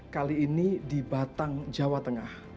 kali ini di batang jawa tengah